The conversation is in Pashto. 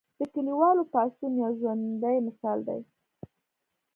د کلیوالو پاڅون یو ژوندی مثال دی.